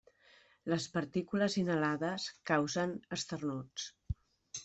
Les partícules inhalades causen esternuts.